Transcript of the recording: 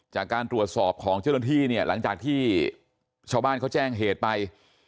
จากการตรวจสอบของเจ้าหน้าที่เนี่ยหลังจากที่ชาวบ้านเขาแจ้งเหตุไป